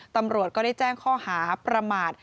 ตำรวจก็ได้แจ้งข้อหาประมาท